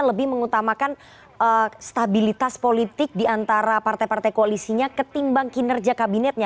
lebih mengutamakan stabilitas politik diantara partai partai koalisinya ketimbang kinerja kabinetnya